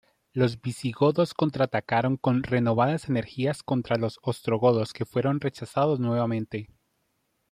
Los visigodos contraatacaron con renovadas energías contra los ostrogodos, que fueron rechazados nuevamente.